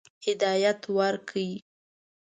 هدایت ورکړي.